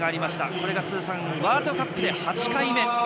これが通算ワールドカップで８回目。